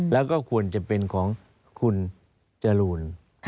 แล้วก็ควรจะเป็นของคุณจรูน